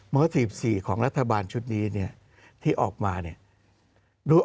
๔๔ของรัฐบาลชุดนี้เนี่ยที่ออกมาเนี่ยรู้